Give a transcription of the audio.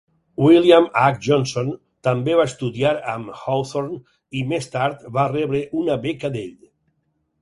William H. Johnson també va estudiar amb Hawthorne i més tard va rebre una beca d'ell.